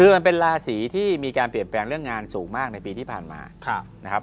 คือมันเป็นราศีที่มีการเปลี่ยนแปลงเรื่องงานสูงมากในปีที่ผ่านมานะครับ